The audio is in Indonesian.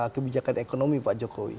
kebijakan ekonomi pak jokowi